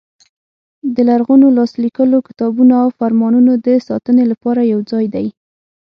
د لرغونو لاس لیکلو کتابونو او فرمانونو د ساتنې لپاره یو ځای دی.